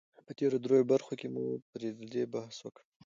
په تېرو دريو برخو کې مو پر دې بحث وکړ